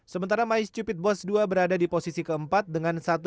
sementara my stupid boss dua berada di posisi keempat dengan satu delapan juta penonton